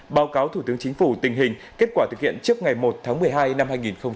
báo cáo thủ tướng chính phủ tình hình kết quả thực hiện trước ngày một tháng một mươi hai năm hai nghìn hai mươi